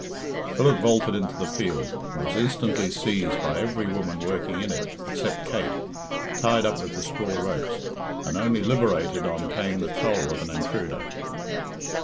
Philip vaulted into the field, and was instantly seized by every woman working in it, except Kate, tied up with the straw ropes, and only liberated on paying the toll of an intruder.